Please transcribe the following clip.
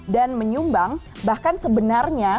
dan menyumbang bahkan sebenarnya